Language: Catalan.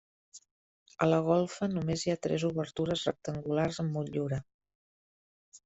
A la golfa només hi ha tres obertures rectangulars amb motllura.